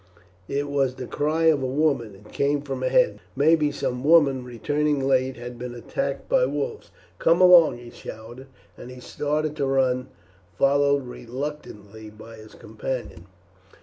it was the cry of a woman; it came from ahead. Maybe some woman returning late has been attacked by wolves. Come along," he shouted, and he started to run, followed reluctantly by his companion.